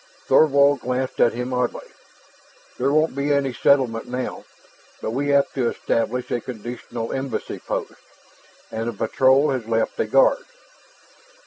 Thorvald glanced at him oddly. "There won't be any settlement now. But we have to establish a conditional embassy post. And the patrol has left a guard."